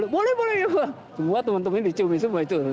boleh boleh semua teman teman diciumi semua itu